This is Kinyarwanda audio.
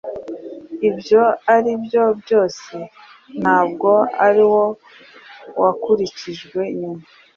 Ibyo aribyo byose ntabwo ari wo wakurikijwe nyuma,